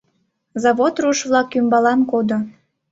Завод руш-влак ӱмбалан кодо.